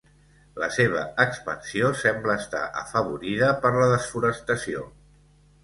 La seva expansió sembla estar afavorida per la desforestació.